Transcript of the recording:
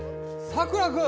さくら君！